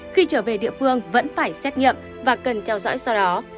khi trở về địa phương vẫn phải xét nghiệm và cần theo dõi sau đó